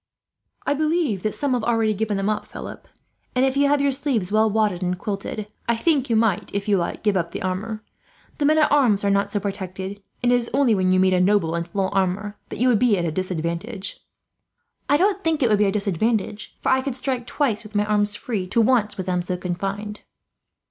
"I believe that some have already given them up, Philip; and if you have your sleeves well wadded and quilted, I think you might, if you like, give up the armour. The men at arms are not so protected, and it is only when you meet a noble, in full armour, that you would be at a disadvantage." "I don't think it would be a disadvantage; for I could strike twice, with my arms free, to once with them so confined."